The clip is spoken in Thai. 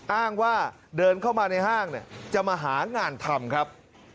อ้างว่าเดินเข้ามาในห้างจะมาหางานทำครับ